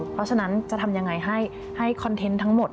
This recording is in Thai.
เพราะฉะนั้นจะทำยังไงให้คอนเทนต์ทั้งหมด